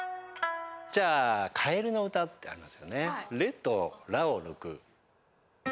じゃあかえるの歌ってありますよね。